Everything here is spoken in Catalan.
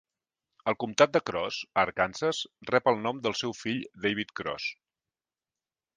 El comtat de Cross, a Arkansas, rep el nom del seu fill David Cross.